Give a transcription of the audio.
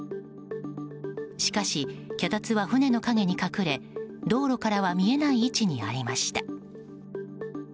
しかし脚立は船の陰に隠れ道路からは見えない位置にありました。